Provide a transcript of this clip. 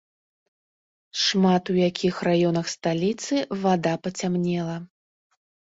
Шмат у якіх раёнах сталіцы вада пацямнела.